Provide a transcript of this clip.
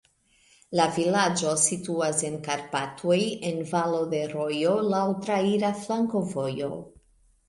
La vilaĝo situas en Karpatoj en valo de rojo, laŭ traira flankovojo.